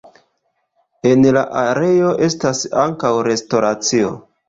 En la areo estas ankaŭ restoracio.